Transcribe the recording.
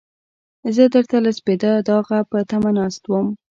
زه درته له سپېده داغه په تمه ناست وم.